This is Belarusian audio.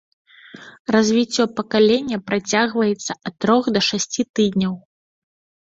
Развіццё пакалення працягваецца ад трох да шасці тыдняў.